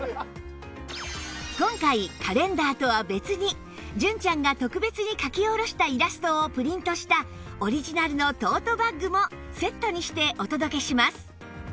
今回カレンダーとは別に純ちゃんが特別に描き下ろしたイラストをプリントしたオリジナルのトートバッグもセットにしてお届けします